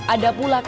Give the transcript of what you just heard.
ada pula keksan